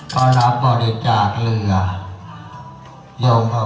เพราะรับบริจาคเรือยกมาเมื่อไหร่